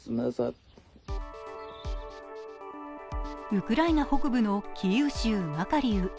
ウクライナ北部のキーウ州マカリウ。